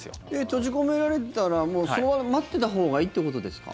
閉じ込められたらもうその場で待ってたほうがいいってことですか？